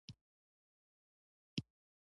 کابل د افغانستان د اقتصاد برخه ده.